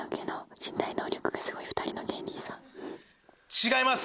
違います。